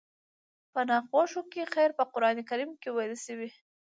په ناخوښو کې خير په قرآن کريم کې ويل شوي.